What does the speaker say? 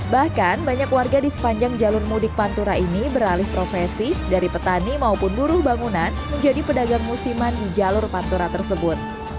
bahkan banyak warga di sepanjang jalur mudik pantura ini beralih profesi dari petani maupun buruh bangunan menjadi pedagang musiman di jalur pantura tersebut